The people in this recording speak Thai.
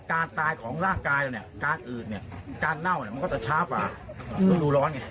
การตายของร่างกายเนี่ยการอืดเนี่ยการเน่าเนี่ยมันก็จะช้าป่าว